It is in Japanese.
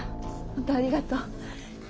本当ありがとう。